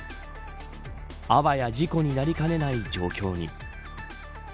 あわや事故になりかねない状況に。